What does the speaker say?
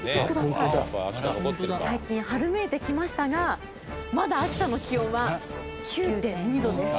最近春めいてきましたがまだ秋田の気温は９．２度です。